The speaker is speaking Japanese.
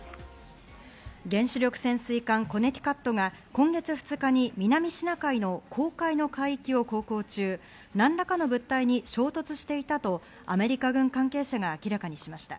原子力潜水艦・コネティカットが今月２日に南シナ海の公海の海域を航行中、何らかの物体に衝突していたとアメリカ軍関係者が明らかにしました。